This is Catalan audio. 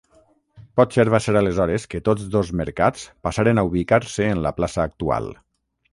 Potser, va ser aleshores que tots dos mercats passaren a ubicar-se en la plaça actual.